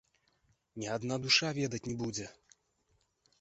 Ні адна душа ведаць не будзе!